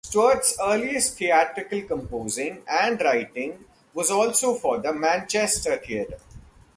Stuart's earliest theatrical composing and writing was also for the Manchester theatre.